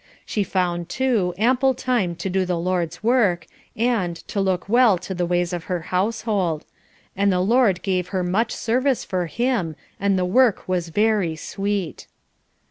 She found, too, ample time to do the Lord's work, and to "look well to the ways of her household," and the Lord gave her much service for him, and the work was very sweet.